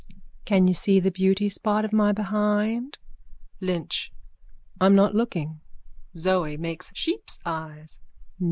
_ Can you see the beautyspot of my behind? LYNCH: I'm not looking ZOE: _(Makes sheep's eyes.)